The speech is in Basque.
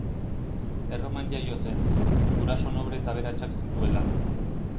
Erroman jaio zen, guraso noble eta aberatsak zituela.